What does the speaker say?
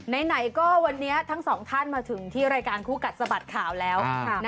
ไหนก็วันนี้ทั้งสองท่านมาถึงที่รายการคู่กัดสะบัดข่าวแล้ว